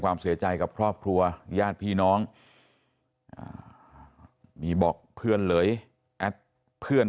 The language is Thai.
เสียใจกับครอบครัวญาติพี่น้องมีบอกเพื่อนเหลยแอดเพื่อน